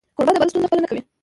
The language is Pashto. کوربه د بل ستونزه خپله نه کوي.